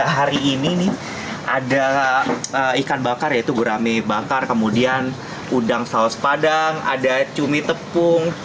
hari ini nih ada ikan bakar yaitu gurame bakar kemudian udang saus padang ada cumi tepung